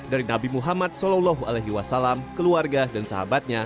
dari nabi muhammad saw keluarga dan sahabatnya